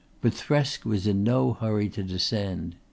But Thresk was in no hurry to descend.